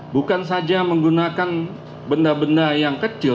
bukan saja menggunakan benda benda yang kecil